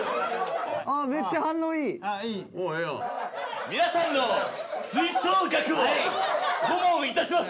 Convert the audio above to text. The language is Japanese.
あめっちゃ反応いい！おおええやん皆さんの吹奏楽を顧問いたします